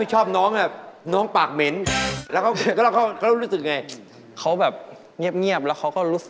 จริงผมพูดตรงเลยครับ